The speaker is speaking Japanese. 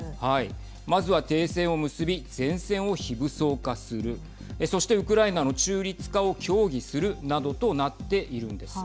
まずは停戦を結び、前線を非武装化するそして、ウクライナの中立化を協議するなどとなっているんです。